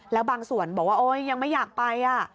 แล้วบางส่วนบอกว่าโอ๊ยยังไม่อยากไป